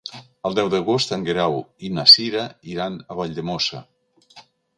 El deu d'agost en Guerau i na Cira iran a Valldemossa.